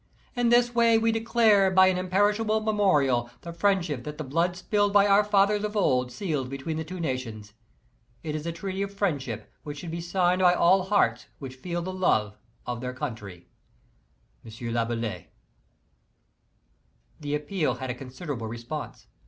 In this way we declare by an imperishable memorial the friendship that the blood spilled by our fathers of old sealed between the two nations. It is a treaty of friendship which should be signed by all hearts l^'hich feel the love of their country. £. Laboulaye. The appeal had a considerable response.